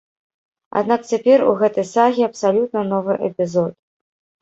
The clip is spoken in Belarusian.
Аднак цяпер у гэтай сагі абсалютна новы эпізод.